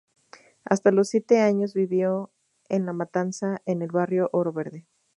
Hasta los siete años vivió en La Matanza, en el barrio Oro Verde.